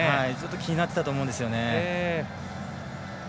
気になってたと思うんですよね。